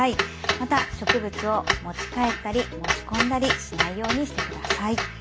また、植物を持ち帰ったり持ち込んだりしないようにしてください。